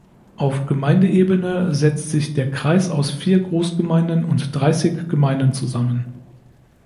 Auf Gemeindeebene setzt sich der Kreis aus vier Großgemeinden und dreißig Gemeinden zusammen.